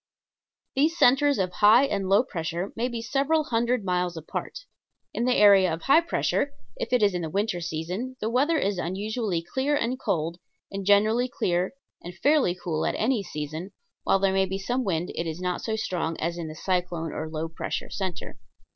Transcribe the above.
These centers of high and low pressure may be several hundred miles apart. In the area of high pressure, if it is in the winter season, the weather is unusually clear and cold, and generally clear and fairly cool at any season, and while there may be some wind it is not so strong as in the cyclone or low pressure center.